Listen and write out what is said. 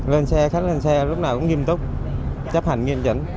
lên xe khách lên xe lúc nào cũng nghiêm túc chấp hành nghiêm chỉnh